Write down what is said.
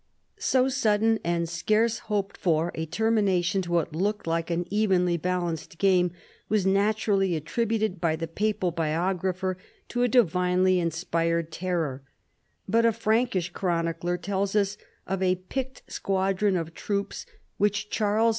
So sudden and scarce hoped for a termination to what looked like an evenly balanced game was naturally attributed by the papal biographer to a divinely inspired terror; but a Frankish chronicler tells us of a picked squadron of troops which Charles 124 CHARLEMAGNE.